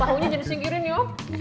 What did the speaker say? tahunya jangan disingkirin yuk